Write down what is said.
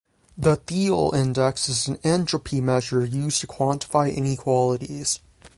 The Theil index is an entropy measure used to quantify inequalities.